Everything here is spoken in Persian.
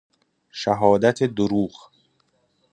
شهادت دروغ